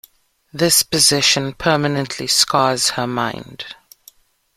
This possession permanently scars her mind.